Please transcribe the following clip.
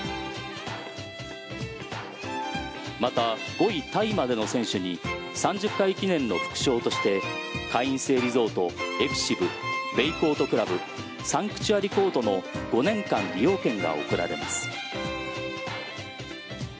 また、５位タイまでの選手に３０回記念の副賞として会員制リゾートエクシブ、ベイコート倶楽部サンクチュアリコートの５年間利用権が贈られます。